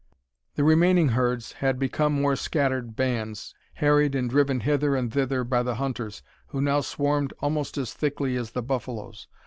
The remaining herds had become mere scattered bands, harried and driven hither and thither by the hunters, who now swarmed almost as thickly as the buffaloes.